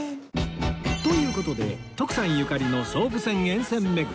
という事で徳さんゆかりの総武線沿線巡り